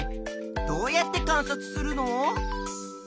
どうやって観察するの？